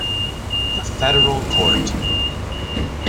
The federal court.